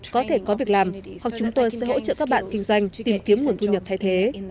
có thể có việc làm hoặc chúng tôi sẽ hỗ trợ các bạn kinh doanh tìm kiếm nguồn thu nhập thay thế